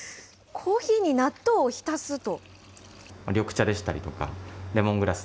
コーヒーに納豆を浸すと。